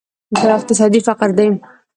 دا اقتصادي فقر ده.